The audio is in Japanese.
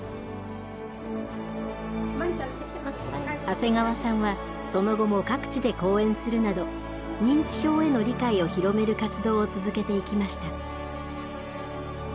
長谷川さんはその後も各地で講演するなど認知症への理解を広める活動を続けていきました。